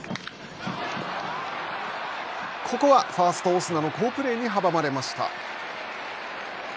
ここはファーストオスナの好プレーで阻まれました。